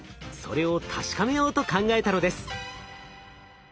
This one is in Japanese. それを確かめようと考えたのです。